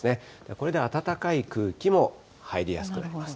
これで暖かい空気も入りやすくなります。